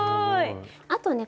あとね